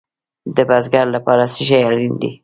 د بزګر لپاره څه شی اړین دی؟